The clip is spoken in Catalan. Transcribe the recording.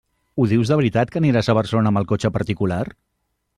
Ho dius de veritat que aniràs a Barcelona amb el cotxe particular?